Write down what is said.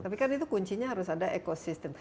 tapi kan itu kuncinya harus ada ekosistem